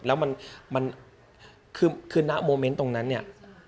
แล้วมันคือณโมเมนต์ตรงนั้นเนี่ย